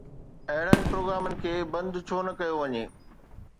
اهڙن پروگرامن کي بند ڇو نه ڪيو وڃي؟